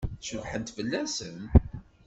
Cebḥent fell-asen?